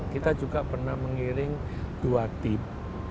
kita juga pernah mengiring dua tip